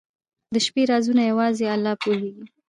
• د شپې رازونه یوازې الله پوهېږي.